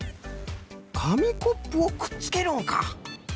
かみコップをくっつけるんか。